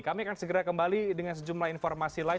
kami akan segera kembali dengan sejumlah informasi lain